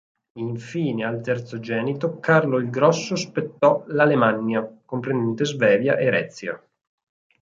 Infine al terzogenito, Carlo il Grosso spettò l'Alemannia, comprendente Svevia e Rezia.